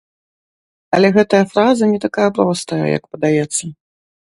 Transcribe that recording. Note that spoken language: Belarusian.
Але гэтая фраза не такая простая, як падаецца.